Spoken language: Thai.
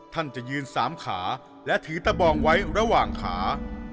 ท่านจะยืนสามขาและถือตะบองไว้ระหว่างขา